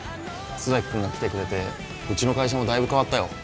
須崎君が来てくれてうちの会社もだいぶ変わったよ